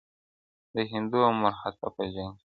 د هندو او مرهټه په جنګ وتلی!!